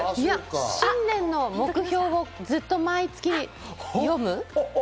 新年の目標をずっと毎月読む。